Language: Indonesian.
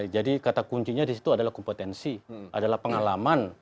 jadi kata kuncinya di situ adalah kompetensi adalah pengalaman